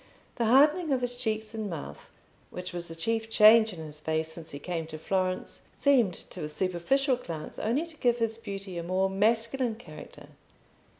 The hardening of his cheeks and mouth, which was the chief change in his face since he came to Florence, seemed to a superficial glance only to give his beauty a more masculine character.